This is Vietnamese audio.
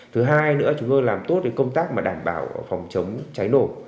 thứ hai nữa chúng tôi làm tốt công tác mà đảm bảo phòng chống cháy nổ